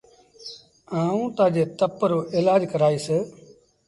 آئوٚݩ تآجي تپ رو ايلآج ڪرآئيٚس۔